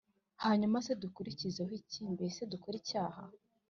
Hanyuma se dukurikizeho iki Mbese dukore icyaha